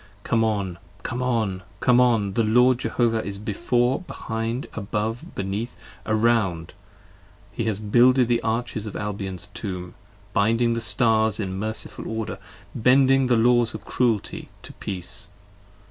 Come on! Come on! Come on! The Lord Jehovah is before, behind, above, beneath, around. He has builded the arches of Albion's Tomb, binding the Stars 55 In merciful Order, bending the Laws of Cruelty to Peace.